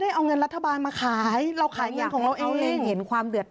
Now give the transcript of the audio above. เอาเงินรัฐบาลมาขายเราขายเงินของเราเองเห็นความเดือด